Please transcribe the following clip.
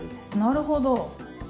なるほど。